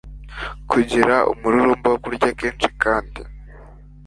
Kugira umururumba wo kurya kenshi kandi